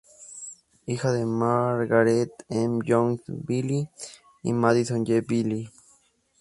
Hija de Margaret M. Jones Bailey y Madison J. Bailey.